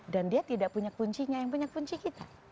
dan dia tidak punya kuncinya yang punya kunci kita